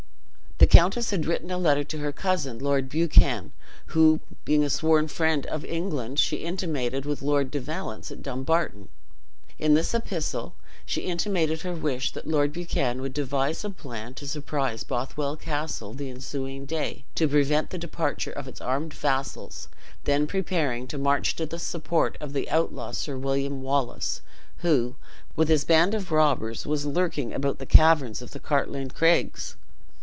The countess had written a letter to her cousin, Lord Buchan, who being a sworn friend of England, she intimated with Lord de Valence at Dumbarton. In this epistle she intimated her wish that Lord Buchan would devise a plan to surprise Bothwell Castle the ensuing day, to prevent the departure of its armed vassals, then preparing to march to the support of the outlaw Sir William Wallace, who, with his band of robbers, was lurking about the caverns of the Cartlane Craigs.